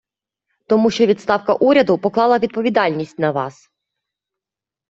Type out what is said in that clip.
Тому що відставка Уряду поклала відповідальність на Вас.